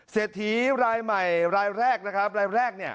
เสร็จถีรายใหม่รายแรกนะครับรายแรก